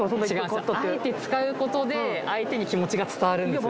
あえて使うことで相手に気持ちが伝わるんですよ